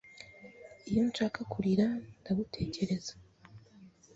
Iyo nshaka kurira, ndagutekereza.